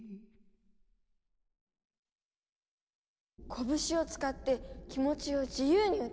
こぶしを使って気持ちを自由に歌い上げる。